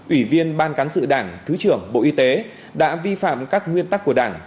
ủy viên ban cán sự đảng thứ trưởng bộ y tế đã vi phạm các nguyên tắc của đảng